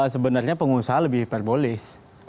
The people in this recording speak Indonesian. sebenarnya pengusaha lebih hiperbolis